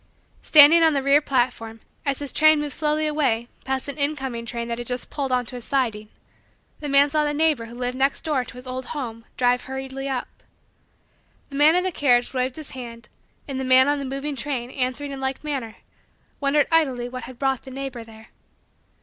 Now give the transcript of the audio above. Standing on the rear platform, as his train moved slowly away past an incoming train that had just pulled onto a siding, the man saw the neighbor who lived next door to his old home drive hurriedly up. The man in the carriage waved his hand and the man on the moving train, answering in like manner, wondered idly what had brought the neighbor there.